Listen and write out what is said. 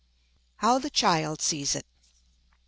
How the Child sees it.